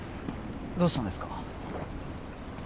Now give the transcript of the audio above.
どうしたんですか？